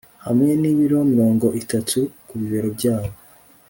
hamwe n'ibiro mirongo itatu ku bibero byabo